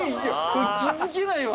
◆これ、気づけないわ！